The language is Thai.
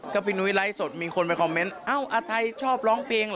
ก็พี่นุ้ยไลฟ์สดมีคนไปคอมเมนต์เอ้าอาทัยชอบร้องเพลงเหรอ